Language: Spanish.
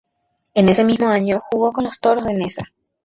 En ese mismo año jugó con los Toros Neza.